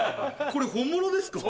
これ本物ですか？